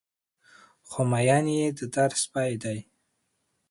خو مين يې د در سپى دى